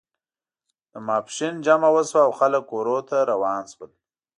د ماسپښین جمعه وشوه او خلک کورونو ته روان شول.